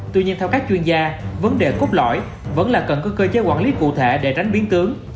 tuy nhiên theo các chuyên gia vấn đề cốt lõi vẫn là cần có cơ chế quản lý cụ thể để tránh biến tướng